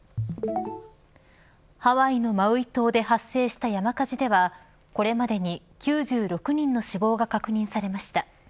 ハワイのマウイ島で発生した山火事ではこれまでに９６人の死亡が確認されました。